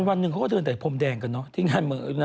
วันนึงเขาก็เดินแต่ผมแดงกันเนอะที่งานเหมือนบริเวณ